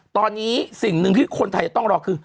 ตอนนี้สิ่งหนึ่งที่คนไทยจะต้องรอคือ